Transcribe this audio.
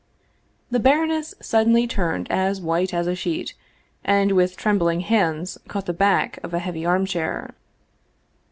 The baroness suddenly turned as white as a sheet, and with trembling hands caught the back of a heavy arm chair.